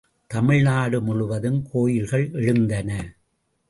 தமிழ்நாடு முழுவதும் கோயில்கள் எழுந்தன.